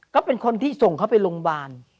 ก็เป็นคนที่ส่งเขาไปโรงพยาบาล